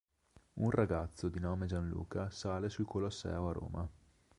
Un ragazzo, di nome Gianluca, sale sul Colosseo a Roma.